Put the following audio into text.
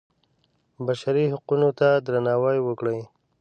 بشري حقونو ته درناوی وکړئ